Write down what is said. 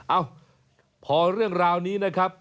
เอ้าพอเรื่องราวนี้นะครับ